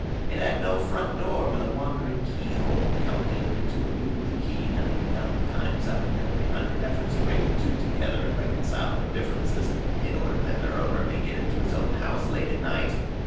It had no front door with a wandering key hole calculated to elude the key ninety nine times out of every hundred efforts to bring the two together and reconcile their differences, in order that their owner may get into his own house late at night.